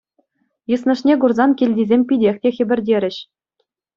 Йыснӑшне курсан килтисем питех те хӗпӗртерӗҫ.